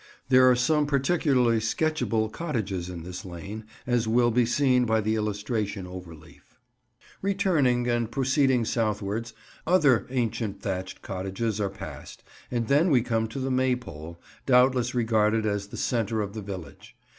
There are some particularly sketchable cottages in this lane, as will be seen by the illustration over leaf. Returning, and proceeding southwards, other ancient thatched cottages are passed, and then we come to the maypole, doubtless regarded as the centre of the village.